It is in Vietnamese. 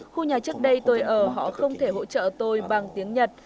khu nhà trước đây tôi ở họ không thể hỗ trợ tôi bằng tiếng nhật